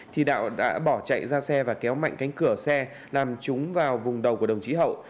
thì đạo đã bỏ chạy ra xe và kéo mạnh cánh cửa xe làm chúng vào vùng đầu của đồng chí hậu